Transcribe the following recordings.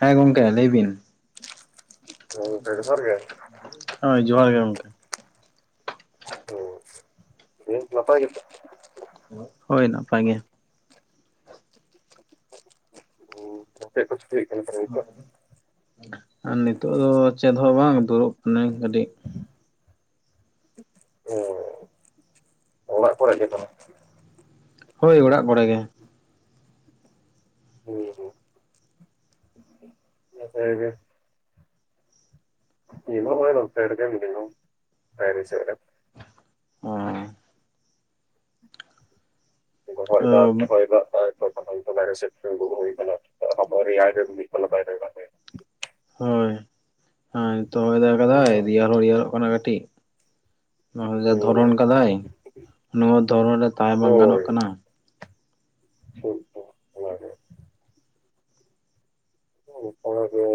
ᱦᱮᱸ ᱜᱚᱝᱠᱮ ᱞᱟᱹᱭ ᱵᱤᱱ ᱡᱚᱦᱟᱨ ᱜᱮ ᱦᱳᱭ ᱡᱚᱦᱟᱨ ᱜᱮ ᱜᱚᱝᱠᱮ ᱫᱤᱭᱮ [unintelligible] ᱱᱟᱯᱟᱭ ᱜᱮᱛᱚ ᱦᱳᱭ ᱱᱟᱯᱟᱭ ᱜᱮ ᱪᱮᱜ ᱠᱚ ᱪᱤᱠᱟᱹᱭ ᱦᱩᱭᱩᱜ ᱠᱟᱱᱟ ᱱᱤᱛᱚᱜ? ᱟᱨ ᱱᱤᱛᱳᱜ ᱫᱚ ᱪᱮᱫ ᱦᱚᱸ ᱵᱟᱝ ᱫᱩᱲᱩᱵ ᱠᱟᱱᱟᱹᱧ ᱠᱟᱹᱴᱤᱡ᱾ ᱮ ᱚᱲᱟᱜ ᱠᱚᱨᱮᱜᱮ ᱛᱟᱞᱦᱮ ᱦᱳᱭ ᱚᱲᱟᱜ ᱠᱚᱨᱮ ᱜᱮ ᱦᱩᱸ-ᱦᱩᱸ ᱱᱟᱯᱟᱭ ᱜᱮ ᱤᱱ ᱦᱚ ᱱᱚᱜ-ᱚᱭ ᱱᱚᱱᱛᱮ ᱨᱮᱜᱮ ᱢᱤᱱᱟᱹᱧᱟ ᱵᱟᱭᱨᱮ ᱥᱮᱜ ᱨᱮ ᱦᱩᱸ ᱜᱚᱦᱚᱭ ᱫᱟᱠ [unintelligible] ᱛᱮ ᱦᱚᱭ ᱫᱟᱜ ᱛᱟᱭ ᱛᱚ ᱟᱦᱟᱱ ᱛᱚᱞᱟ ᱜᱮ ᱥᱮᱱ ᱫᱩᱨᱩᱵ ᱦᱚᱭ ᱠᱟᱱᱟ [unintelligible] ᱦᱳᱭ ᱦᱮ ᱛᱚ ᱦᱚᱭᱫᱟ ᱠᱟᱫᱟᱭ, ᱨᱤᱭᱟᱲ ᱦᱚᱸ ᱨᱤᱭᱟᱲᱚᱜ ᱠᱟᱱᱟ ᱠᱟᱹᱴᱤᱡ ᱱᱚᱭ ᱦᱩᱸ ᱫᱷᱚᱨᱚᱱ ᱠᱟᱫᱟᱭ, ᱱᱚᱣᱟ ᱫᱷᱚᱨᱚᱱ ᱨᱮ ᱛᱟᱦᱮᱸ ᱵᱟᱝ ᱜᱟᱱᱚᱜ ᱠᱟᱱᱟ᱾ ᱴᱷᱤᱠ ᱜᱮᱭᱟ ᱚᱱᱟ ᱜᱮ᱾ ᱩᱱᱠᱟ ᱜᱮ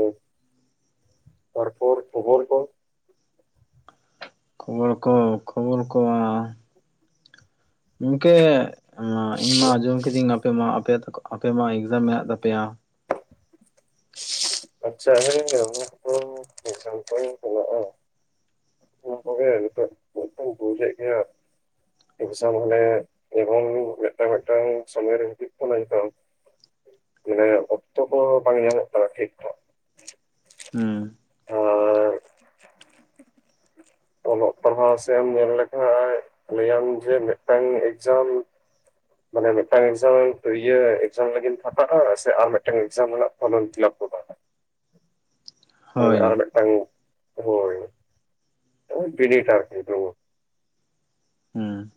ᱛᱟᱨᱯᱚᱨ ᱠᱷᱚᱵᱚᱨ ᱠᱚ ᱠᱷᱚᱵᱚᱨ ᱠᱚ ᱠᱷᱚᱵᱚᱨ ᱠᱚ ᱩᱝᱠᱮ ᱤᱧ ᱢᱟ ᱟᱸᱡᱚᱢ ᱠᱤᱫᱤᱧ, ᱟᱯᱮ ᱢᱟ ᱟᱯᱮ ᱟᱯᱮ ᱢᱟ ᱮᱠᱡᱟᱢ ᱢᱮᱱᱟᱜ ᱛᱟᱯᱮᱭᱟ? ᱟᱪᱪᱷᱟ ᱦᱮᱸ [unintelligible] ᱚᱱᱟ ᱠᱚᱜᱮ ᱱᱤᱛᱚᱜ ᱢᱤᱫᱴᱟᱝ ᱵᱳᱭ ᱦᱮᱡ ᱟᱠᱟᱱᱟ ᱾ ᱮᱠᱡᱟᱢ ᱢᱟᱱᱮ ᱮᱵᱚᱝ ᱢᱤᱫᱴᱟᱝ ᱢᱤᱫᱴᱟᱝ ᱥᱚᱢᱚᱭ ᱨᱮ ᱦᱤᱡᱩᱜ ᱠᱟᱱᱟ ᱱᱤᱛᱚᱝ [unintelligible] ᱚᱠᱛᱚ ᱠᱚ ᱵᱟᱝ ᱧᱟᱢᱚᱜ ᱴᱷᱤᱠ ᱴᱷᱟᱠ ᱾ ᱦᱩᱸ᱾ ᱟᱨ ᱚᱞᱚᱜ ᱯᱟᱲᱦᱟᱣ ᱥᱮᱫ ᱮᱢ ᱧᱮᱞ ᱞᱮᱠᱷᱟᱱᱡ ᱞᱟᱹᱭ ᱟᱢ ᱡᱮ ᱢᱤᱫᱴᱟᱝ ᱮᱠᱡᱟᱢ ᱢᱟᱱᱮ ᱢᱤᱫᱴᱟᱝ ᱮᱠᱡᱟᱢ ᱤᱭᱟᱹ ᱮᱠᱡᱟᱢ ᱞᱟᱹᱜᱤᱫ ᱯᱷᱟᱠᱟᱜ-ᱟ? ᱥᱮ ᱟᱨ ᱢᱤᱫᱴᱟᱝ ᱮᱠᱡᱟᱢ ᱨᱮᱱᱟᱜ ᱯᱷᱚᱨᱚᱢ ᱮᱢ ᱯᱷᱤᱞᱟᱯ ᱯᱷᱚᱠᱟᱜ-ᱟ᱾ ᱦᱳᱭ ᱟᱨ ᱢᱤᱫᱴᱟᱝ ᱦᱳᱭ ᱵᱤᱱᱤᱰ ᱟᱨᱠᱤ ᱦᱮᱸ ᱾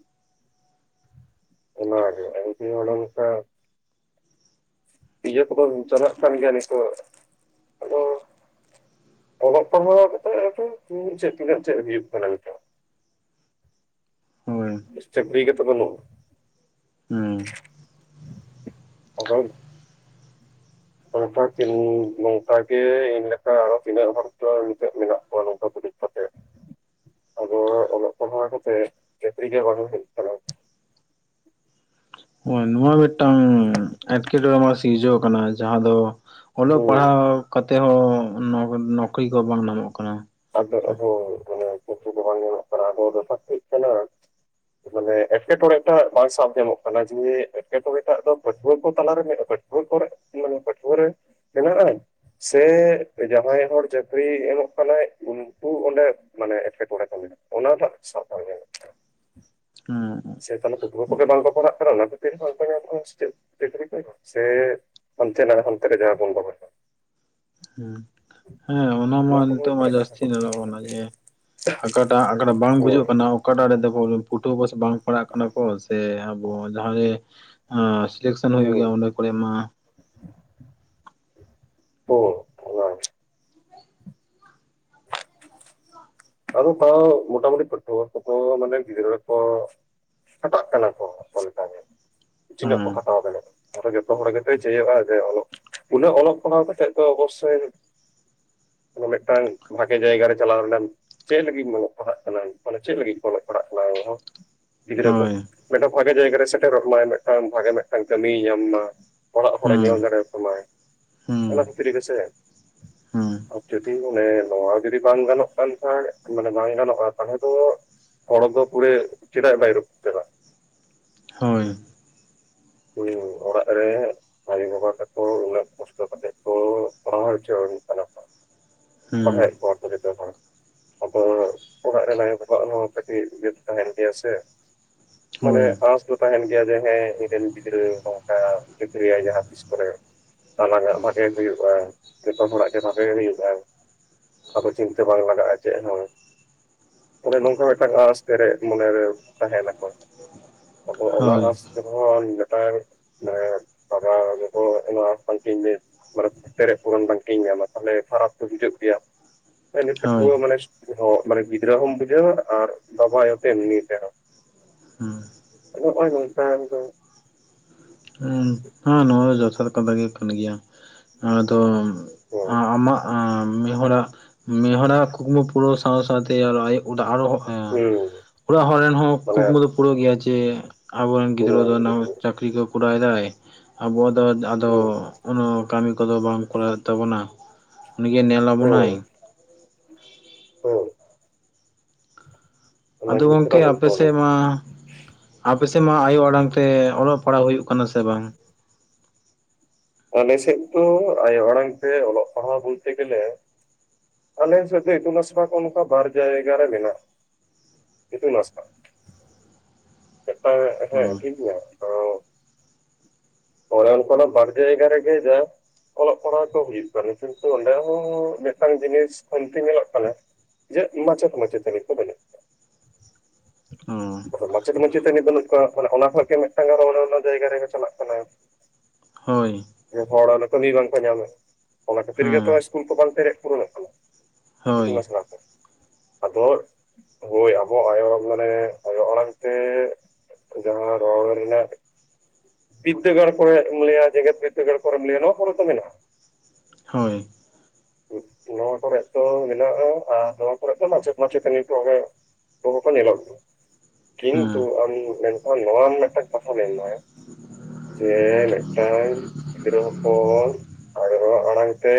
ᱚᱱᱟ ᱜᱮ ᱟᱨ ᱡᱩᱫᱤ ᱚᱱᱮ ᱢᱤᱫᱴᱟᱝ ᱤᱭᱟᱹ ᱠᱚ ᱫᱚ ᱪᱟᱪᱟᱜ ᱠᱟᱱ ᱜᱮᱭᱟ ᱱᱤᱛᱚᱜ ᱟᱫᱚ ᱚᱞᱚᱜ ᱯᱟᱲᱦᱟᱣ ᱠᱟᱛᱮᱫ ᱫᱚ, ᱪᱮᱫ ᱛᱤᱱᱟᱹᱜ? ᱪᱮᱫ ᱦᱩᱭᱩᱜ ᱠᱟᱱᱟ? ᱱᱤᱛᱚᱜ ᱾ ᱦᱳᱭ ᱪᱟᱠᱨᱤ ᱜᱮ ᱛᱚ ᱦᱩᱸ ᱵᱟᱱᱩᱜ-ᱟ᱾ [unintelligible] ᱱᱚᱝᱠᱟ ᱜᱮ ᱱᱚᱝᱠᱟ ᱜᱮ ᱤᱧ ᱞᱮᱠᱟ ᱟᱨᱚ ᱛᱤᱱᱟᱹᱜ ᱦᱚᱲᱪᱚ ᱱᱤᱛᱚᱜ ᱢᱮᱱᱟᱜ ᱠᱚᱣᱟ, ᱱᱚᱝᱠᱟ ᱠᱚ ᱫᱩᱲᱩᱵ ᱠᱟᱛᱮᱜ᱾ [inaudible] ᱟᱫᱚ ᱚᱞᱚᱜ ᱯᱟᱲᱦᱟᱜ ᱠᱟᱛᱮᱜ ᱪᱟᱹᱠᱨᱤ ᱜᱮ ᱵᱟᱝ ᱦᱩᱭᱩᱜ ᱠᱟᱱᱟ᱾ ᱱᱚᱣᱟ ᱢᱤᱫᱴᱟᱝ ᱮᱴᱠᱮᱴᱚᱬᱮ ᱥᱤᱨᱡᱟᱹᱣ ᱠᱟᱱᱟ ᱡᱟᱦᱟᱸ ᱫᱚ ᱚᱞᱚᱜ ᱦᱩᱸ ᱯᱟᱲᱦᱟᱣ ᱠᱟᱛᱮ ᱦᱚᱸ ᱱᱚᱼ ᱱᱚᱠᱨᱤ ᱠᱚ ᱵᱟᱝ ᱧᱟᱢᱚᱜ ᱠᱟᱱᱟ᱾ ᱟᱫᱚ ᱟᱫᱚ ᱢᱟᱱᱮ ᱠᱤᱪᱷᱩ ᱫᱚ ᱵᱟᱝ ᱧᱮᱞᱚᱜ ᱠᱟᱱᱟ᱾ ᱟᱫᱚ ᱵᱮᱯᱟᱨ ᱪᱮᱫ ᱠᱟᱱᱟ? ᱢᱟᱱᱮ ᱮᱴᱠᱮᱴᱚᱲᱮ ᱴᱟᱜ ᱵᱟᱝ ᱥᱟᱵ ᱧᱟᱢᱚᱜ ᱠᱟᱱᱟ, ᱡᱮ ᱮᱴᱠᱮᱴᱚᱲᱮ ᱴᱟᱜ ᱫᱚ ᱯᱟᱹᱴᱷᱣᱟᱹ ᱠᱚ ᱛᱟᱞᱟᱨᱮ [inaudible] ᱦᱳᱭ ᱯᱚᱨᱮ ᱢᱟᱱᱮ ᱯᱟᱹᱴᱷᱩᱣᱟᱹ ᱨᱮ ᱢᱮᱱᱟᱜᱼᱟ? ᱥᱮ ᱡᱟᱦᱟᱸᱭ ᱦᱚᱲ ᱪᱟᱠᱨᱤ ᱮᱢᱚᱜ ᱠᱟᱱᱟᱭ ᱩᱱᱠᱩ ᱚᱸᱰᱮ ᱢᱟᱱᱮ ᱮᱴᱠᱮᱴᱚᱲᱮ ᱠᱚ ᱢᱮᱱᱟᱜ-ᱟ, ᱚᱱᱟ ᱴᱟᱜ ᱥᱟᱵ [unintelligible] ᱦᱩᱸ᱾ ᱥᱮ ᱛᱟᱦᱚᱞᱮ ᱯᱟᱹᱴᱷᱩᱣᱟ ᱠᱚᱜᱮ ᱵᱟᱝ ᱠᱚ ᱯᱟᱲᱦᱟᱜ ᱠᱟᱱᱟ᱾ ᱚᱱᱟ ᱠᱷᱟᱹᱛᱤᱨ ᱦᱚᱸ ᱚᱠᱚᱭ ᱦᱚᱸ [inaudible] ᱦᱟᱱᱛᱮ ᱱᱟᱜ, ᱦᱚᱱᱛᱮ ᱨᱮ ᱡᱟᱦᱟᱸ ᱵᱚᱱ [unintelligible] ᱦᱮᱸ ᱚᱱᱟ ᱢᱟ ᱱᱚᱣᱟ ᱠᱚ ᱱᱤᱛᱚᱜ ᱦᱩᱭᱩᱜ ᱢᱟ ᱠᱟᱱᱟ ᱠᱟᱛᱷᱟ ᱡᱟᱹᱥᱛᱤ ᱠᱚᱫᱚ ᱧᱮᱞᱚ ᱜᱚᱜ ᱠᱟᱱᱟ ᱡᱮ ᱚᱠᱟᱴᱟᱜ ᱟᱠᱟᱴᱟᱜ ᱵᱟᱝ ᱜᱩᱡᱩᱜ ᱠᱟᱱᱟ ᱚᱠᱟᱴᱟᱜ ᱨᱮᱫᱚ ᱯᱟᱹᱴᱷᱩᱣᱟᱹ ᱠᱚ ᱥᱮ ᱵᱟᱝ ᱯᱟᱲᱟᱜ ᱠᱟᱱᱟ ᱠᱚ ᱥᱮ ᱟᱵᱚ ᱡᱟᱦᱟᱸ ᱨᱮ ᱟ ᱥᱤᱞᱮᱠᱥᱚᱱ ᱦᱩᱸ ᱦᱳᱭᱳ ᱦᱩᱸ ᱜᱮᱭᱟ, ᱚᱱᱟ ᱠᱚᱨᱮ ᱢᱟ ᱦᱩᱸ ᱚᱱᱟ ᱟᱫᱚ ᱛᱟᱣ ᱢᱚᱴᱟᱢᱩᱴᱤ ᱯᱟᱴᱷᱟᱹᱣ ᱠᱚ ᱫᱚ ᱢᱟᱱᱮ ᱜᱤᱫᱽᱨᱟᱹ ᱠᱚ ᱠᱷᱟᱴᱟᱜ ᱠᱟᱱᱟ ᱠᱚ, ᱟᱠᱚ ᱞᱮᱠᱟᱜᱮ ᱛᱤᱱᱟᱹᱜ ᱠᱚ ᱦᱮᱸ ᱠᱷᱟᱴᱟᱣ ᱫᱟᱲᱮ ᱟ ᱾ ᱟᱨ ᱡᱚᱛᱚ ᱦᱚᱲ ᱜᱮᱛᱚ ᱪᱟᱹᱭᱚᱜᱼᱟ, ᱡᱮ ᱚᱞᱚᱜ ᱩᱱᱟᱹᱜ ᱚᱞᱚᱜ ᱯᱟᱲᱦᱟᱣ ᱠᱟᱛᱮᱜ ᱫᱚ ᱚᱵᱚᱥᱳᱭ ᱢᱤᱫᱴᱟᱝ ᱵᱷᱟᱜᱮ ᱡᱟᱭᱜᱟ ᱨᱮ ᱪᱟᱞᱟᱣ ᱨᱮᱱᱟᱜ ᱪᱮᱫ ᱞᱟᱹᱜᱤᱫ ᱤᱧ ᱚᱞᱚᱜ ᱯᱟᱲᱦᱟᱜ ᱠᱟᱱᱟ? ᱢᱟᱱᱮ ᱪᱮᱫ ᱞᱟᱹᱜᱤᱫ ᱚᱞᱚᱜ ᱯᱟᱲᱦᱟᱜ ᱠᱟᱱᱟ ᱦᱚᱸ ᱜᱤᱫᱽᱨᱟᱹ ᱠᱚ ᱦᱳᱭ ᱢᱤᱫᱴᱟᱝ ᱵᱷᱟᱜᱮ ᱡᱟᱭᱜᱟ ᱨᱮ ᱥᱮᱴᱮᱨᱚᱜ ᱢᱟᱭ᱾ ᱢᱤᱫᱴᱟᱝ ᱵᱷᱟᱜᱮ ᱢᱤᱫᱴᱟᱝ ᱠᱟᱹᱢᱤᱭ ᱧᱟᱢ ᱢᱟ᱾ ᱚᱲᱟᱜ ᱦᱚᱲ ᱮ ᱦᱮᱸ ᱧᱮᱞ ᱫᱟᱲᱮ ᱟᱠᱚ ᱢᱟ ᱦᱮᱸ ᱾ ᱚᱱᱟ ᱠᱷᱟᱹᱛᱤᱨ ᱜᱮ ᱥᱮ? ᱦᱮᱸ ᱟᱨ ᱡᱩᱫᱤ ᱚᱱᱮ ᱱᱚᱣᱟ ᱡᱩᱫᱤ ᱵᱟᱝ ᱜᱟᱱᱚᱜ ᱠᱟᱱ ᱢᱟᱱᱮ ᱵᱟᱝ ᱜᱟᱱᱚᱜᱼᱟ, ᱛᱟᱦᱚᱞᱮ ᱫᱚ ᱦᱚᱲ ᱫᱚ ᱯᱩᱨᱟᱹ ᱪᱮᱫᱟᱜ ᱵᱟᱭ ᱨᱟᱯᱩᱜ-ᱟ᱾ ᱦᱳᱭ ᱾ [unintelligible] ᱚᱲᱟᱜ ᱨᱮ ᱟᱭᱳ ᱵᱟᱵᱟ ᱛᱟᱠᱚ ᱩᱱᱟᱹᱜ ᱠᱚᱥᱴᱚ ᱠᱟᱛᱮᱜ ᱚᱞᱚᱜ ᱯᱟᱲᱦᱟᱣ ᱪᱚ ᱦᱳᱭᱳᱜ ᱠᱟᱱᱟ ᱛᱚ ᱦᱮᱸ [unintelligible] ᱟᱵᱚ ᱦᱟᱸᱜ ᱚᱲᱟᱜ ᱨᱮᱱ ᱟᱭᱳ ᱵᱟᱵᱟ ᱟᱜ ᱦᱚᱸ ᱠᱟᱴᱤᱡ ᱛᱟᱦᱮᱱ ᱜᱮᱭᱟ ᱥᱮ ᱢᱟᱱᱮ ᱦᱳᱭ ᱟᱸᱥ ᱫᱚ ᱛᱟᱦᱮᱱ ᱜᱮᱭᱟ ᱡᱮ ᱦᱮᱸ ᱤᱧᱨᱮ ᱨᱮᱱ [unintelligible] ᱪᱟᱠᱨᱤᱭᱟ ᱡᱟᱦᱟᱸ ᱛᱤᱥ ᱠᱚᱨᱮ᱾ ᱟᱞᱟᱝ ᱟᱜ ᱵᱟᱜᱮ ᱦᱩᱭᱩᱜᱼᱟ ᱡᱚᱛᱚ ᱦᱚᱲᱟᱜ ᱜᱮ ᱵᱷᱟᱜᱮ ᱦᱩᱭᱩᱜᱼᱟ᱾ ᱟᱵᱚ ᱪᱤᱱᱛᱟᱹ ᱵᱟᱝ ᱞᱟᱜᱟᱜᱼᱟ ᱪᱮᱫ ᱦᱚᱸ᱾ ᱚᱱᱮ ᱱᱚᱝᱠᱟ ᱢᱤᱫᱴᱟᱝ ᱟᱸᱥ ᱯᱮᱨᱮᱡ ᱢᱚᱱᱮᱨᱮ ᱛᱟᱦᱮᱱᱟ ᱠᱚ᱾ ᱟᱵᱚ ᱚᱱᱟ ᱦᱳᱭ ᱟᱹᱥ ᱛᱮᱦᱚᱱ ᱱᱮᱛᱟᱨ [inaudible] ᱟᱵᱚ ᱠᱚ [unintelligible] ᱯᱩᱨᱚᱱ ᱵᱟᱝᱠᱮᱧ ᱧᱟᱢᱟ ᱛᱟᱦᱚᱞᱮ ᱯᱷᱟᱨᱟᱯ ᱫᱚ ᱦᱤᱡᱩᱜ ᱜᱮᱭᱟ᱾ ᱮᱴᱟᱹᱜ ᱦᱳᱭ ᱢᱟᱱᱮ ᱢᱟᱱᱮ ᱜᱤᱫᱽᱨᱟᱹ ᱦᱚᱢ ᱵᱩᱡᱷᱟᱹᱣᱟ ᱟᱨ ᱵᱟᱵᱟ ᱟᱭᱳᱛᱮ ᱮᱢᱱᱤ ᱛᱮᱦᱚᱸ᱾ [unintelligible] ᱱᱚᱜᱼᱚᱭ ᱱᱚᱝᱠᱟᱱ ᱫᱚ᱾ ᱦᱮᱸ ᱱᱚᱣᱟ ᱫᱚ ᱡᱚᱛᱷᱟᱛ ᱠᱟᱛᱷᱟ ᱜᱮ ᱠᱟᱱ ᱜᱮᱭᱟ ᱟᱫᱚ ᱟᱢᱟᱜ᱾ ᱚ ᱢᱤᱫᱦᱚᱲᱟᱜ ᱢᱤᱫᱦᱚᱲᱟᱜ ᱠᱩᱠᱢᱩ ᱯᱩᱨᱟᱹᱣ ᱥᱟᱶ ᱥᱟᱶᱛᱮ ᱟᱨ ᱟᱭᱟᱜ ᱟᱨᱚ᱾ ᱦᱮᱸ ᱦᱩᱸ ᱚᱲᱟᱜ ᱦᱚᱲ ᱨᱮᱱ ᱦᱚᱸ ᱢᱟᱱᱮ ᱠᱩᱠᱢᱩ ᱫᱚ ᱯᱩᱨᱟᱹᱜ ᱜᱮᱭᱟ ᱡᱮ᱾ ᱟᱵᱚᱨᱮᱱ ᱜᱤᱫᱽᱨᱟᱹ ᱯᱩᱨᱟᱹ ᱫᱚ ᱱᱟ ᱦᱩᱸ ᱪᱟᱹᱠᱨᱤ ᱠᱚ ᱠᱚᱨᱟᱣᱮᱫᱟᱭ᱾ ᱟᱵᱚᱣᱟᱜ ᱫᱚ ᱟᱫᱚ ᱩᱱᱟᱹᱜ ᱠᱟᱹᱢᱤ ᱠᱚᱫᱚ ᱵᱟᱝ ᱠᱚᱨᱟᱣᱮᱫ ᱛᱟᱵᱚᱱᱟ ᱩᱱᱤᱜᱮᱭ ᱱᱮᱞ ᱟᱵᱚᱱᱟᱭ᱾ ᱦᱩᱸ ᱟᱫᱚ ᱜᱚᱢᱠᱮ ᱟᱯᱮ ᱥᱮᱫ ᱢᱟ᱾ ᱟᱯᱮᱥᱮᱫ ᱢᱟ ᱟᱭᱳ ᱟᱲᱟᱝ ᱛᱮ ᱚᱞᱚᱜ ᱯᱟᱲᱦᱟᱜ ᱦᱩᱭᱩᱜ ᱠᱟᱱᱟ ᱥᱮ ᱵᱟᱝ᱾ ᱟᱞᱮᱥᱮᱡ ᱫᱚ ᱟᱭᱳ ᱟᱲᱟᱝ ᱛᱮ ᱚᱞᱚᱜ ᱯᱟᱲᱦᱟᱣ ᱵᱚᱞᱛᱮ ᱜᱮᱞᱮ᱾ ᱟᱞᱮ ᱥᱮᱫ ᱫᱚ ᱤᱛᱩᱱ ᱟᱥᱲᱟ ᱠᱚ ᱱᱚᱝᱠᱟ ᱵᱟᱨ ᱡᱟᱭᱜᱟ ᱨᱮ ᱢᱮᱱᱟᱜᱼᱟ᱾ ᱤᱛᱩᱱ ᱟᱥᱲᱟ᱾ [unintelligible] ᱢᱮᱛᱴᱟᱝ ᱦᱮ ᱴᱤᱠ ᱱᱟᱭ ᱟᱱᱮ ᱚᱱᱠᱟ ᱵᱟᱨ ᱡᱟᱭᱜᱟ ᱨᱮᱜᱮ ᱡᱟ᱾ ᱚᱞᱚᱜ ᱯᱟᱲᱦᱟᱜ ᱠᱚ ᱦᱩᱭᱩᱜ ᱠᱟᱱᱟ ᱠᱤᱱᱛᱩ ᱚᱸᱰᱮ ᱦᱚᱸ ᱢᱤᱫᱴᱟᱝ ᱡᱤᱱᱤᱥ ᱠᱷᱟᱱᱛᱤ ᱧᱮᱞᱚᱜ ᱠᱟᱱᱟ᱾ ᱡᱮ ᱢᱟᱪᱮᱫ ᱢᱟᱪᱮᱛᱟᱱᱤ ᱠᱚ ᱵᱟᱹᱱᱩᱜ᱾ [unintelligible] ᱢᱟᱪᱮᱫ ᱢᱟᱪᱮᱛᱟᱱᱤ ᱵᱟᱹᱱᱩᱜ ᱠᱚᱣᱟ ᱢᱟᱱᱮ ᱚᱱᱟ ᱠᱷᱚᱡ ᱜᱮ ᱢᱤᱫᱴᱟᱝ ᱟᱨ ᱚᱱᱱᱚ ᱡᱟᱭᱜᱟ ᱨᱮᱜᱮ ᱪᱟᱞᱟᱜ ᱠᱟᱱᱟ᱾ ᱦᱳᱭ ᱦᱚᱲ ᱠᱟᱹᱢᱤ ᱵᱟᱝ ᱠᱚ ᱧᱟᱢᱮᱫ ᱚᱱᱟ ᱠᱷᱟᱹᱛᱤᱨ ᱜᱮᱛᱚ ᱦᱮᱸ ᱤᱥᱠᱩᱞ ᱠᱚ ᱵᱟᱝ ᱯᱮᱨᱮᱡ ᱯᱩᱨᱚᱱᱚᱜ ᱠᱟᱱᱟ᱾ ᱦᱳᱭ ᱤᱛᱩᱱ ᱟᱥᱲᱟ ᱟᱫᱚ᱾ ᱦᱳᱭ ᱟᱵᱚ ᱟᱭᱳ ᱟᱲᱟᱝ ᱢᱟᱱᱮ ᱟᱭᱳ ᱟᱲᱟᱝ ᱛᱮ ᱡᱟᱦᱟᱸ ᱨᱚᱲ ᱨᱮᱱᱟᱜ᱾ ᱵᱤᱫᱽᱫᱟᱹᱜᱟᱲ ᱠᱚᱨᱮᱢ ᱮᱢ ᱞᱟᱹᱭᱟ ᱡᱮᱜᱮᱛ ᱵᱤᱫᱽᱫᱟᱹᱜᱟᱲ ᱠᱚᱨᱮᱢ ᱞᱟᱹᱭᱟ ᱱᱚᱣᱟ ᱠᱚᱨᱮ ᱫᱚ ᱢᱮᱱᱟᱜᱼᱟ᱾ ᱦᱳᱭ ᱱᱚᱣᱟ ᱠᱚᱨᱮ ᱫᱚ ᱢᱮᱱᱟᱜᱼᱟ ᱟᱨ ᱱᱚᱣᱟ ᱠᱚᱨᱮ ᱫᱚ ᱢᱟᱪᱮᱫ ᱢᱟᱪᱮᱛᱟᱱᱤ ᱠᱚᱜᱮ᱾ ᱩᱱᱠᱩ ᱦᱚᱠᱚ ᱧᱮᱞᱚᱜ ᱜᱮᱭᱟ᱾ ᱦᱮᱸ ᱠᱤᱱᱛᱩ ᱟᱢ ᱢᱮᱱᱠᱷᱟᱱ ᱱᱚᱣᱟ ᱢᱤᱫᱴᱮᱱ ᱠᱟᱛᱷᱟ ᱢᱮᱱᱟᱭᱟ᱾ ᱡᱮ ᱢᱤᱫᱴᱟᱝ ᱜᱤᱫᱽᱨᱟᱹ ᱦᱚᱯᱚᱱ ᱟᱭᱳ ᱟᱲᱟᱝ ᱛᱮ᱾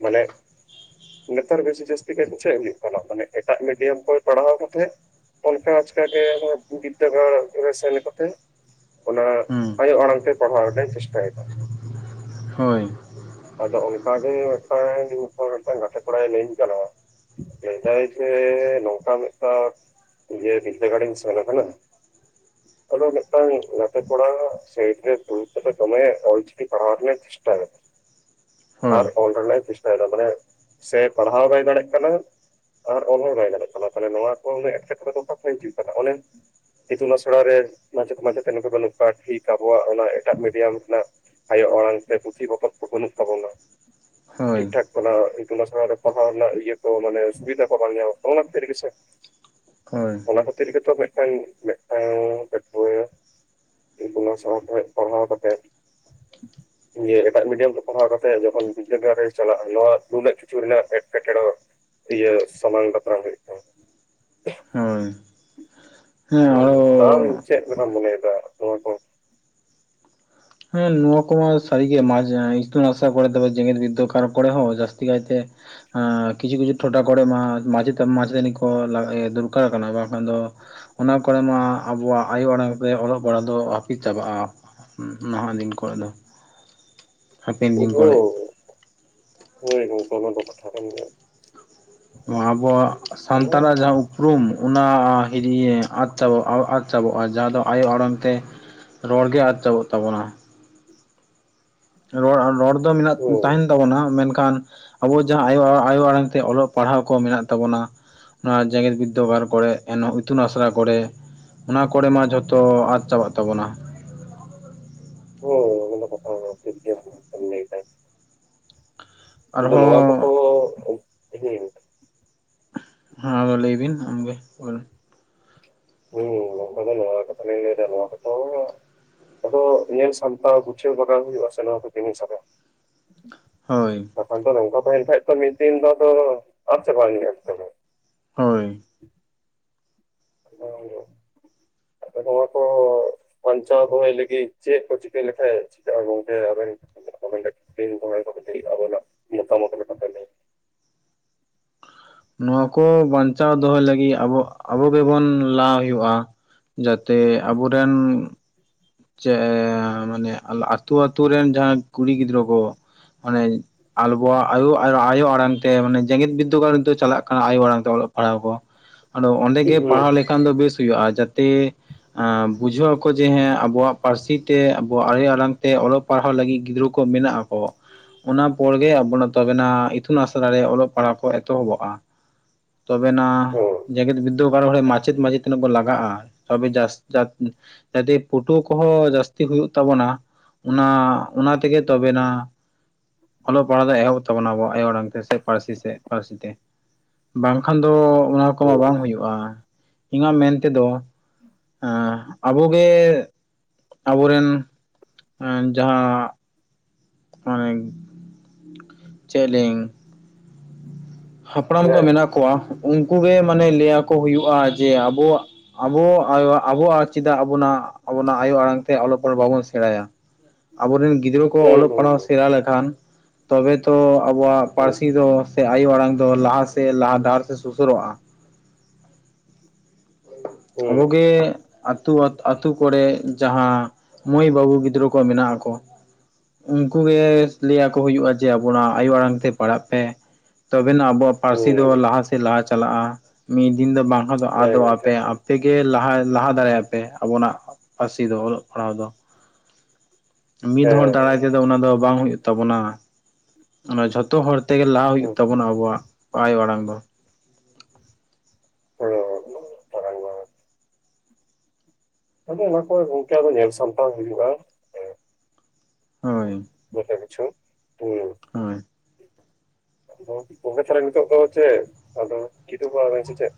ᱢᱟᱱᱮ ᱱᱮᱛᱟᱨ ᱵᱮᱥᱤ ᱡᱟᱹᱥᱛᱤ ᱠᱟᱛᱮ ᱪᱮᱫ ᱦᱩᱭᱩᱜ ᱠᱟᱱᱟ ᱢᱟᱱᱮ ᱮᱴᱟᱜ ᱢᱤᱰᱤᱭᱟᱢ ᱠᱷᱚᱱ ᱯᱟᱲᱦᱟᱣ ᱠᱟᱛᱮᱫ᱾ ᱚᱱᱠᱟ ᱟᱡᱠᱟᱜᱮ ᱵᱤᱨᱫᱟᱜᱟᱲ ᱨᱮ ᱥᱮᱱ ᱠᱟᱛᱮᱜ᱾ ᱚᱱᱟ ᱟᱭᱳ ᱟᱲᱟᱝ ᱛᱮ ᱯᱟᱲᱦᱟᱣ ᱨᱮᱱᱟᱜ ᱪᱮᱥᱴᱟᱭᱫᱟ᱾ ᱦᱳᱭ ᱟᱫᱚ ᱚᱱᱠᱟᱜᱮ ᱢᱤᱫᱴᱟᱝ ᱱᱟᱝ ᱜᱟᱛᱮ ᱠᱚᱲᱟᱭ ᱞᱟᱹᱭᱟᱹᱧ ᱠᱟᱱᱟ᱾ ᱞᱟᱹᱭ ᱫᱟᱭ ᱡᱮ ᱱᱚᱝᱠᱟ ᱢᱮᱫᱴᱟᱝ᱾ ᱡᱮ ᱵᱤᱨᱫᱟᱹᱜᱟᱲ ᱤᱧ ᱥᱮᱱ ᱟᱠᱟᱱᱟ᱾ ᱟᱫᱚ ᱢᱤᱫᱴᱟᱝ ᱜᱟᱛᱮ ᱠᱚᱲᱟ ᱥᱟᱭᱤᱴ ᱨᱮ ᱫᱩᱲᱩᱵ ᱠᱟᱛᱮ ᱫᱚᱢᱮ ᱚᱞ ᱪᱤᱠᱤ ᱯᱟᱲᱦᱟᱣ ᱢᱮ᱾ ᱪᱮᱥᱴᱟᱭᱟ ᱟᱨ ᱚᱞ ᱨᱮᱱᱟᱜ ᱮ ᱪᱮᱥᱴᱟᱭᱮᱫᱟ ᱢᱟᱱᱮ, ᱥᱮ ᱯᱟᱲᱦᱟᱣ ᱵᱟᱭ ᱫᱟᱲᱮᱜ ᱠᱟᱱᱟ ᱟᱨ ᱚᱞ ᱦᱚ ᱵᱟᱭ ᱫᱟᱲᱮᱜ ᱠᱟᱱᱟ, ᱛᱟᱞᱦᱮ ᱱᱚᱣᱟ ᱠᱚ ᱨᱮᱭᱟᱜ ᱮᱴᱠᱮᱴᱚᱬᱮ, ᱚᱠᱟ ᱠᱷᱚᱱ ᱦᱤᱡᱩᱜ ᱠᱟᱱᱟ ᱚᱱᱮ ᱤᱛᱩᱱ ᱟᱥᱲᱟ ᱨᱮ ᱢᱟᱪᱮᱫ ᱢᱟᱪᱮᱛᱟᱱᱤ ᱠᱚ ᱵᱟᱱᱩᱜ ᱠᱚᱣᱟ, ᱴᱷᱤᱠ ᱟᱵᱚᱣᱟᱜ ᱚᱱᱟ ᱮᱴᱟᱜ ᱢᱤᱰᱤᱭᱟᱢ ᱨᱮᱱᱟᱜ ᱟᱭᱳ ᱟᱲᱟᱝ ᱛᱮ ᱯᱩᱛᱷᱤ ᱯᱚᱛᱚᱵ ᱠᱚ, ᱵᱟᱹᱱᱩᱜ ᱛᱟᱵᱚᱱᱟ ᱴᱷᱤᱠ ᱴᱷᱟᱠ᱾ ᱚᱱᱟ ᱤᱛᱩᱱ ᱟᱥᱲᱟ ᱨᱮ ᱯᱟᱲᱦᱟᱣ ᱨᱮᱱᱟᱜ ᱤᱭᱟᱹ ᱠᱚ, ᱢᱟᱱᱮ ᱥᱩᱵᱤᱫᱷᱟ ᱵᱟᱝ ᱧᱟᱢᱚᱜ ᱠᱟᱱᱟ ᱚᱱᱟ ᱠᱷᱟᱹᱛᱤᱨ ᱜᱮᱥᱮ ᱦᱳᱭ ᱚᱱᱟ ᱠᱷᱟᱹᱛᱤᱨ ᱜᱮᱛᱚ ᱢᱤᱜᱴᱮᱝ, [unintelligible] ᱢᱤᱜᱴᱮᱝ ᱚᱱᱟ ᱥᱟᱶ, [unintelligible] ᱠᱷᱚᱱ ᱯᱟᱲᱦᱟᱣ ᱠᱟᱛᱮᱫ ᱤᱭᱟᱹ ᱮᱴᱟᱜ ᱢᱤᱰᱤᱭᱟᱢ ᱨᱮ ᱯᱟᱲᱦᱟᱣ ᱠᱟᱛᱮ ᱡᱚᱠᱷᱚᱱ, ᱵᱤᱫᱽᱫᱟᱹᱜᱟᱲ ᱨᱮ ᱪᱟᱞᱟᱜᱼᱟ, ᱱᱚᱣᱟ ᱱᱩᱱᱟᱹᱜ ᱠᱤᱪᱷᱩ ᱨᱮᱱᱟᱜ ᱮᱴᱠᱮᱴᱬᱮ ᱤᱭᱟᱹ ᱥᱟᱢᱟᱝ ᱫᱟᱯᱨᱟᱢ ᱦᱳᱭᱳᱜ ᱛᱟᱢᱟ᱾ ᱦᱳᱭ, ᱚ, ᱟᱢ ᱪᱮᱫ ᱞᱮᱠᱟᱢ ᱢᱚᱱᱮᱭ ᱫᱟ ᱱᱚᱣᱟ ᱠᱚ? ᱦᱮᱸ ᱱᱚᱣᱟ ᱠᱚ ᱢᱟ ᱥᱟᱨᱤ ᱜᱮ, ᱢᱟᱡ ᱤᱥᱛᱩᱱ ᱟᱥᱲᱟ ᱯᱚᱨᱮ ᱛᱚ ᱡᱮᱜᱮᱫᱵᱤᱫᱽᱟᱹᱜᱟᱲ ᱾ ᱠᱚᱨᱮ ᱦᱚᱸ ᱡᱟᱹᱥᱛᱤ ᱠᱟᱭᱛᱮ ᱦᱮᱸ ᱠᱤᱪᱷᱩ ᱠᱤᱪᱷᱩ ᱴᱚᱴᱷᱟ ᱠᱚᱨᱮ ᱢᱟ ᱠᱤᱪᱷᱩ ᱠᱤᱪᱷᱩ ᱴᱚᱴᱷᱟ ᱠᱚᱨᱮ ᱢᱟ, ᱢᱟᱪᱮᱛ ᱢᱟᱪᱮᱛᱟᱱᱤ ᱠᱚ ᱫᱚᱨᱠᱟᱨ ᱠᱟᱱᱟ ᱵᱟᱝᱠᱷᱟᱱ ᱫᱚ [unintelligible] ᱚᱱᱟ ᱠᱚᱨᱮ ᱢᱟ ᱟᱵᱚᱣᱟᱜ ᱟᱭᱳ ᱟᱲᱟᱝ ᱛᱮ ᱚᱞᱚᱜ ᱯᱟᱲᱦᱟᱜ ᱫᱚ, ᱦᱟᱹᱯᱤᱫ ᱪᱟᱵᱟᱜᱼᱟ᱾ ᱱᱟᱦᱟᱜ ᱫᱤᱱ ᱠᱚᱨᱮ ᱫᱚ ᱦᱟᱯᱮᱱ ᱫᱤᱱ ᱦᱩ, ᱠᱚᱨᱮ ᱦᱳᱭ ᱜᱚᱝᱠᱮ ᱚᱱᱟ ᱫᱚ ᱠᱟᱛᱷᱟ ᱠᱟᱱ ᱜᱮᱭᱟ᱾ ᱱᱚᱣᱟ ᱟᱵᱚᱣᱟᱜ ᱚᱱᱟ ᱥᱟᱱᱛᱟᱲᱟᱜ ᱡᱟᱦᱟᱸ ᱩᱯᱨᱩᱢ ᱚᱱᱟᱭ ᱤᱫᱤᱭ ᱟᱫ ᱪᱟᱵᱟ, ᱟᱫ ᱪᱟᱵᱟᱜᱼᱟ, ᱡᱟᱦᱟᱸ ᱫᱚ ᱟᱭᱳ ᱟᱲᱟᱝ ᱛᱮ ᱨᱚᱲᱜᱮ ᱟᱫ ᱪᱟᱵᱟᱜ ᱛᱟᱵᱚᱱᱟ ᱨᱚᱲ ᱟᱨ ᱨᱚᱲ ᱫᱚ ᱢᱮᱱᱟᱜ, ᱦᱳᱭ ᱛᱟᱦᱮᱸᱱ ᱛᱟᱵᱚᱱᱟ ᱢᱮᱱᱠᱷᱟᱱ ᱟᱵᱚ ᱡᱟᱦᱟᱸ ᱟᱭᱳ, ᱟᱭᱳ ᱟᱲᱟᱝ ᱛᱮ, ᱚᱞᱚᱜ ᱯᱟᱲᱦᱟᱣ ᱠᱚ ᱢᱮᱱᱟᱜ ᱛᱟᱵᱚᱱᱟ ᱱᱚᱣᱟ ᱡᱮᱜᱮᱛ ᱵᱤᱨᱫᱽᱟᱹᱜᱟᱲ ᱠᱚᱨᱮᱜ, ᱮᱱ ᱤᱛᱩᱱ ᱟᱥᱲᱟ ᱠᱚᱨᱮ ᱚᱱᱟ ᱠᱚᱨᱮ ᱢᱟ ᱡᱷᱚᱛᱚ ᱟᱫ ᱪᱟᱵᱟᱜ ᱛᱟᱵᱚᱱᱟ᱾ ᱦᱩᱸ, ᱚᱱᱟ ᱫᱚ ᱠᱟᱛᱷᱟ ᱠᱟᱱ ᱴᱷᱤᱠ ᱜᱮᱢ ᱞᱟᱹᱭ ᱫᱟ᱾ [unintelligible] ᱱᱚᱣᱟ ᱟᱨᱦᱚᱸ ᱠᱚᱠᱚ [unintelligible] ᱦᱟᱸᱟᱫᱚ ᱞᱟᱹᱭ ᱵᱤᱱ, ᱟᱢᱜᱮ ᱦᱩᱸ ᱱᱚᱭᱟ ᱠᱚᱫᱚ ᱱᱚᱭᱟ ᱠᱟᱛᱷᱟ ᱞᱤᱧ ᱞᱮᱭ ᱫᱟ ᱱᱚᱭᱟ ᱠᱚᱫᱚ [unintelligible] ᱟᱫᱚ ᱧᱮᱞ ᱥᱟᱢᱴᱟᱣ, ᱜᱩᱪᱷᱟᱹᱣ ᱵᱟᱜᱟᱣ, ᱦᱳᱭᱳᱜ ᱟᱥᱮ ᱱᱚᱣᱟ ᱠᱚ ᱡᱤᱱᱤᱥ ᱟᱵᱚ ᱦᱳᱭ, ᱾ ᱠᱟᱛᱷᱟ ᱫᱚ ᱱᱚᱝᱠᱟ ᱛᱟᱦᱮᱸᱱ ᱠᱷᱟᱡ ᱛᱚ, ᱢᱤᱫ ᱫᱤᱱ ᱫᱚ ᱟᱫ ᱪᱟᱵᱟ ᱤᱫᱤ ᱟᱛᱚ᱾ ᱦᱳᱭ, ᱾ [unintelligible] ᱟᱯᱮ ᱫᱚ ᱱᱚᱭᱟ ᱠᱚ [unintelligible] ᱵᱟᱱᱪᱟᱣ ᱫᱚᱦᱚᱭ ᱞᱟᱹᱜᱤᱫ, ᱪᱮᱫ ᱠᱚ ᱪᱤᱠᱟᱹᱭ ᱞᱮᱠᱷᱟᱡ, ᱪᱷᱤᱠᱟᱜ ᱟ ᱜᱚᱢᱠᱮ ᱟᱵᱮᱱ ᱜᱮ [unintelligible] [unintelligible] ᱟᱵᱮᱱ ᱟᱜ ᱢᱚᱛᱟ ᱞᱮᱠᱟᱛᱮ ᱞᱟᱭ ᱵᱮᱱ [unintelligible] ᱱᱚᱣᱟ ᱠᱚ ᱵᱟᱱᱪᱟᱣ ᱫᱚᱦᱚᱭ ᱞᱟᱹᱜᱤᱫ, ᱟᱵᱚᱼᱟᱵᱚᱜᱮᱵᱚᱱ ᱞᱟᱦᱟ ᱦᱳᱭᱳᱜᱼᱟ᱾ ᱡᱟᱛᱮ ᱟᱵᱚᱨᱮᱱ ᱪᱮ ᱢᱟᱱᱮ ᱟᱹᱛᱩ ᱟᱹᱛᱩ ᱨᱮᱱ ᱡᱟᱦᱟᱸᱭ ᱠᱩᱲᱤ ᱜᱤᱫᱽᱨᱟᱹ ᱠᱚ, ᱢᱟᱱᱮ ᱟᱞᱵᱚᱣᱟᱜ ᱟᱭᱳ ᱟᱲᱟᱝ ᱛᱮ, ᱟᱭᱳ ᱟᱲᱟᱝ ᱢᱟᱱᱮ ᱡᱮᱜᱮᱛ ᱵᱤᱫᱽᱫᱟᱹᱜᱟᱲ ᱱᱤᱛᱳᱜ ᱪᱟᱞᱟᱜ ᱠᱟᱱᱟ ᱟᱭᱳ ᱟᱲᱟᱝ ᱛᱮ ᱚᱞᱚᱜ ᱯᱟᱲᱦᱟᱣ ᱠᱚ [inaudible] ᱟᱫᱚ ᱚᱸᱰᱮ ᱜᱮ ᱦᱩᱸ ᱯᱟᱲᱦᱟᱣ ᱞᱮᱠᱷᱟᱱ ᱫᱚ ᱵᱮᱥ ᱦᱩᱭᱩᱜᱼᱟ᱾ ᱡᱟᱛᱮ ᱵᱩᱡᱷᱟᱹᱣ ᱟᱠᱚ ᱡᱮ ᱦᱮᱸᱟᱵᱚ ᱟᱵᱚᱣᱟᱜ ᱯᱟᱹᱨᱥᱤ ᱛᱮ, ᱟᱵᱚᱣᱟᱜ ᱟᱭᱳ ᱟᱲᱟᱝ ᱛᱮ, ᱚᱞᱚᱜ ᱯᱟᱲᱦᱟᱣ ᱞᱟᱹᱜᱤᱫ ᱜᱤᱫᱽᱨᱟᱹ ᱠᱚ ᱢᱮᱱᱟᱜᱼᱟᱠᱚ᱾ ᱚᱱᱟ ᱯᱚᱨ ᱜᱮ ᱟᱵᱚ ᱛᱚᱵᱮᱱᱟᱜ ᱤᱛᱩᱱ ᱟᱥᱲᱟ ᱨᱮ ᱚᱞᱚᱜ ᱯᱟᱲᱦᱟᱜ ᱠᱚ ᱮᱛᱚᱦᱚᱵᱚᱜᱼᱟ᱾ ᱛᱚᱵᱮᱱᱟᱜ ᱦᱩᱸ ᱡᱮᱜᱮᱫ ᱵᱤᱫᱽ [unintelligible] ᱢᱟᱪᱮᱫ ᱢᱟᱪᱮᱫ ᱛᱤᱱᱟᱹᱜ ᱵᱚᱱ ᱞᱟᱜᱟᱜᱼᱟ ᱛᱚᱵᱮ ᱡᱟ [unintelligible] [unintelligible] ᱯᱷᱳᱴᱳ ᱠᱚᱦᱚᱸ ᱡᱟᱹᱥᱛᱤ ᱦᱳᱭᱳᱜ ᱛᱟᱵᱚᱱᱟ, ᱚᱱᱟ ᱚᱱᱟ ᱛᱮᱜᱮ ᱛᱚᱵᱮᱱᱟᱜ᱾ ᱚᱞᱚᱜ ᱯᱟᱲᱦᱟᱜ ᱫᱚ ᱮᱦᱚᱵ ᱛᱟᱵᱚᱱᱟ, ᱟᱵᱚ ᱟᱭᱳ ᱟᱲᱟᱝ ᱛᱮ ᱥᱮ, ᱯᱟᱹᱨᱥᱤ ᱥᱮ ᱯᱟᱹᱨᱥᱤ ᱛᱮ᱾ ᱵᱟᱝᱠᱷᱟᱱ ᱫᱚ, ᱚᱱᱟ ᱠᱚᱢᱟ ᱦᱩᱸ ᱵᱟᱝ ᱦᱳᱭᱳᱜᱼᱟ᱾ ᱤᱧᱟᱜ ᱢᱮᱱ ᱛᱮᱫᱚ ᱦᱮᱸ ᱟᱵᱚ ᱜᱮᱻ ᱟᱵᱚ ᱨᱮᱱ ᱮᱸ ᱡᱟᱦᱟᱸ ᱼᱼ [unintelligible] ᱪᱮᱜ ᱞᱤᱝ ᱼᱼ ᱦᱩᱸ ᱦᱟᱯᱲᱟᱢ ᱠᱚ ᱦᱮᱸ ᱢᱮᱱᱟᱜ ᱠᱚᱣᱟ, ᱩᱱᱠᱩ ᱜᱮ ᱢᱟᱱᱮ ᱞᱟᱹᱭ ᱟᱠᱚ ᱦᱩᱭᱩᱜᱼᱟ ᱾ ᱡᱮ ᱟᱵᱚᱣᱟᱜ, ᱟᱵᱚ ᱟᱭᱳᱣᱟᱜ ᱼᱼ ᱟᱵᱚ ᱟᱨ ᱪᱮᱫᱟᱜ ᱟᱵᱚᱱᱟᱜ ᱟᱵᱚᱱᱟᱜ ᱟᱭᱳ ᱟᱲᱟᱝ ᱛᱮ ᱚᱞᱚᱜ ᱯᱟᱲᱦᱟᱜ ᱵᱟᱵᱚᱱ ᱥᱮᱬᱟᱭᱟ? ᱟᱵᱚ ᱨᱮᱱ ᱼᱼ ᱜᱤᱫᱽᱨᱟᱹ ᱠᱚ ᱦᱩᱸ ᱚᱞᱚᱜ ᱯᱟᱲᱦᱟᱣ ᱦᱩᱸ ᱥᱮᱬᱟ ᱞᱮᱠᱷᱟᱱ, ᱛᱚᱵᱮ ᱛᱚ ᱟᱵᱚᱣᱟᱜ ᱦᱩᱸ ᱯᱟᱹᱨᱥᱤ ᱫᱚ ᱥᱮ ᱟᱭᱳ ᱟᱲᱟᱝ ᱼᱼ ᱫᱚ ᱞᱟᱦᱟ ᱥᱮᱫ ᱞᱟᱦᱟ ᱰᱟᱦᱟᱨ ᱥᱮᱫ ᱥᱩᱥᱟᱹᱨᱚᱜᱼᱟ ᱾ ᱦᱩᱸ ᱟᱵᱚ ᱜᱮᱻ ᱟᱛᱳ ᱟᱛᱳ ᱠᱚᱨᱮ ᱡᱟᱦᱟᱸ ᱢᱟᱹᱭ ᱵᱟᱹᱵᱩ ᱜᱤᱫᱽᱨᱟᱹ ᱠᱚ ᱢᱮᱱᱟᱜ ᱟᱠᱚᱣᱟ ᱾ ᱩᱱᱠᱩ ᱜᱮ ᱞᱟᱹᱭ ᱟᱠᱚ ᱦᱩᱭᱩᱜᱼᱟ ᱡᱮ ᱟᱵᱚᱱᱟᱜ ᱟᱭᱳ ᱟᱲᱟᱝ ᱛᱮ ᱯᱟᱲᱦᱟᱜ ᱯᱮ ᱾ ᱛᱚᱵᱮ ᱱᱟᱜ ᱟᱵᱚᱣᱟᱜ ᱯᱟᱹᱨᱥᱤ ᱫᱚ ᱦᱩᱸ ᱦᱩᱸ ᱞᱟᱦᱟ ᱥᱮᱫ ᱞᱟᱦᱟ ᱪᱟᱞᱟᱜᱼᱟ ᱾ ᱢᱤᱫ ᱫᱤᱱ ᱫᱚ ᱵᱟᱝᱠᱷᱟᱱ ᱫᱚ ᱦᱮᱸ ᱟᱫᱚᱜᱼᱟ ᱾ ᱜᱚᱝᱠᱮ ᱦᱮᱸ ᱛᱮᱜᱮ ᱞᱟᱦᱟ ᱞᱟᱦᱟ ᱫᱟᱲᱮᱭᱟᱜᱼᱟ ᱯᱮ ᱟᱵᱚᱱᱟᱜ ᱯᱟᱹᱨᱥᱤ ᱫᱚ, ᱚᱞᱚᱜ ᱯᱟᱲᱦᱟᱣ ᱫᱚ ᱾ ᱢᱤᱫ ᱦᱚᱲ ᱫᱟᱨᱟᱭ ᱦᱮᱸ ᱛᱮᱫᱚ ᱚᱱᱟ ᱫᱚ ᱵᱟᱝ ᱦᱩᱭᱩᱜ ᱛᱟᱵᱚᱱᱟ ᱾ ᱚᱱᱟ ᱡᱷᱚᱛᱚ ᱦᱚᱲ ᱼᱼ ᱛᱮᱜᱮ ᱞᱟᱦᱟ ᱦᱩᱭᱩᱜ ᱦᱩᱸ ᱛᱟᱵᱚᱱᱟ ᱟᱵᱚᱣᱟᱜ ᱟᱭᱳ ᱟᱲᱟᱝ ᱫᱚ ᱾ ᱦᱮᱸᱻ [unintelligible] ᱟᱫᱚ ᱚᱱᱟ ᱠᱚ ᱜᱚᱝᱠᱮ ᱟᱫᱚ ᱧᱮᱞ ᱥᱟᱢᱴᱟᱣ ᱦᱩᱭᱩᱜᱼᱟ ᱦᱳᱭ ᱾ ᱡᱚᱛᱚ ᱠᱤᱪᱷᱩ ᱯᱩᱭᱞᱩ ᱾ ᱦᱳᱭ ᱾ ᱜᱚᱝᱠᱮ ᱛᱟᱦᱞᱮ ᱱᱤᱛᱚᱜ ᱫᱚ ᱪᱮᱫ? ᱟᱫᱚ ᱠᱤᱫᱩᱵᱚᱜᱼᱟ ᱵᱮᱱ ᱥᱮ ᱪᱮᱫ?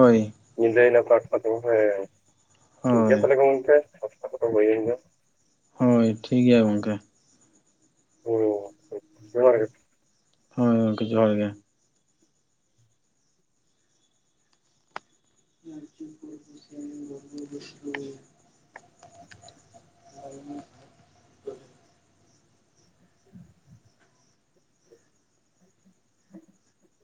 ᱦᱳᱭ ᱾ ᱧᱤᱫᱟᱹᱭ ᱱᱟ ᱛᱚ [unintelligible] ᱦᱮᱸ ᱾ ᱴᱷᱤᱠ ᱜᱮᱭᱟ ᱦᱳᱭ ᱛᱟᱦᱚᱞᱮ ᱜᱚᱝᱠᱮ ᱾ ᱚᱠᱛᱚ ᱠᱚ ᱫᱚ ᱦᱳᱭᱮᱱᱟ ᱾ ᱦᱳᱭ, ᱴᱷᱤᱠ ᱜᱮᱭᱟ ᱜᱚᱝᱠᱮ ᱾ ᱦᱳᱭ ᱢᱟ, ᱡᱚᱦᱟᱨ ᱜᱮ ᱾ ᱦᱳᱭ ᱜᱚᱝᱠᱮ ᱡᱚᱦᱟᱨ ᱜᱮ ᱾ [unintelligible] [unintelligible] [inaudible] [inaudible]